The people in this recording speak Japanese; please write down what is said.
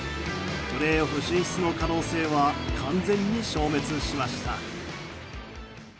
プレーオフ進出の可能性は完全に消滅しました。